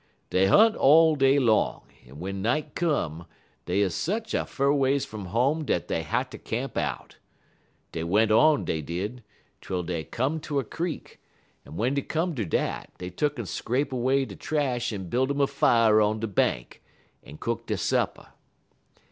"Dey hunt all day long, en w'en night come, dey 'uz sech a fur ways fum home dat dey hatter camp out. Dey went on, dey did, twel dey come ter a creek, en w'en dey come ter dat, dey tuck'n scrape away de trash en built um a fire on de bank, en cook dey supper.